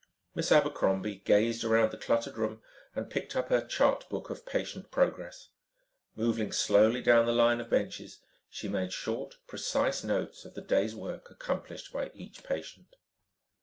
Miss Abercrombie gazed around the cluttered room and picked up her chart book of patient progress. Moving slowly down the line of benches, she made short, precise notes on the day's work accomplished by each patient.